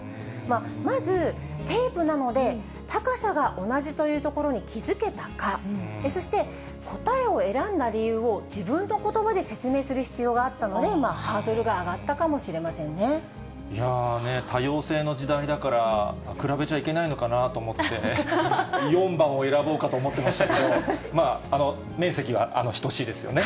まず、テープなので、高さが同じというところに気付けたか、そして、答えを選んだ理由を、自分のことばで説明する必要があったので、ハードルが上がったかいやー、多様性の時代だから、比べちゃいけないのかなと思って、４番を選ぼうかと思っていましたけれども、面積は等しいですよね。